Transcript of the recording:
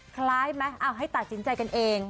คล้ายไหมเอาให้ตัดสินใจกันเอง